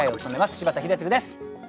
柴田英嗣です。